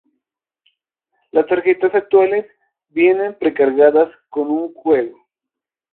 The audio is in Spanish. Las tarjetas actuales vienen pre-cargadas con un juego.